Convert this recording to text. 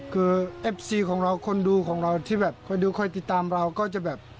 คือเอฟซีของเราคนดูของเราที่แบบคอยดูคอยติดตามเราก็จะแบบ